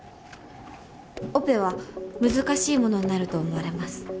オペは難しいものになると思われます。